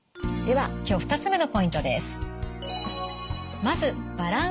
では今日２つ目のポイントです。